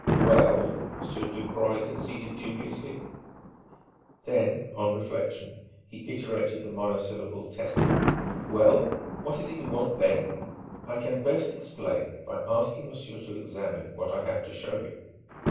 "Well ..." Monsieur Ducroy conceded dubiously. Then, on reflection, he iterated the monosyllable testily: "Well! What is it you want, then?" "I can best explain by asking monsieur to examine what I have to show him."